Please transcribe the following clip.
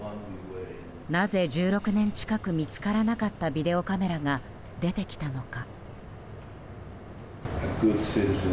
なぜ１６年近く見つからなかったビデオカメラが出てきたのか。